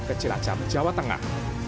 ke cilacap jawa tengah